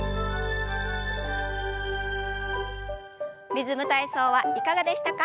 「リズム体操」はいかがでしたか？